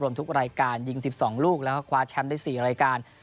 ทุกรายการยิง๑๒ลูกแล้วก็คว้าแชมป์ได้๔รายการ